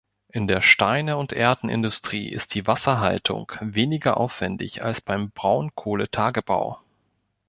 In der Steine- und Erden-Industrie ist die Wasserhaltung weniger aufwendig als beim Braunkohletagebau.